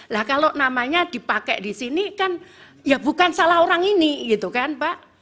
lah kalau namanya dipakai di sini kan ya bukan salah orang ini gitu kan pak